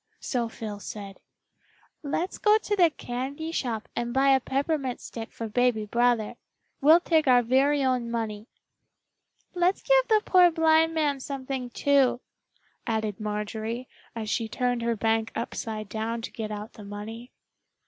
So Phil said, "Let's go to the candy shop and buy a peppermint stick for baby brother. We'll take our very own money." "Let's give the poor blind man something, too," added Marjorie, as she turned her bank upside down to get out the money.